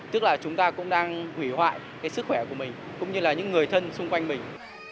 tức là chúng ta cũng đang hủy hoại cái sức khỏe của mình cũng như là những người thân xung quanh mình